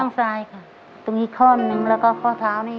ซ้ายค่ะตรงนี้ข้อนึงแล้วก็ข้อเท้านี่